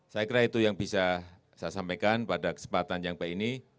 saya kira itu yang bisa saya sampaikan pada kesempatan yang baik ini